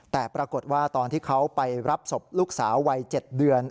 แต่ปรากฏว่าตอนที่เขาไปรับศพลูกสาววัย๗เดือน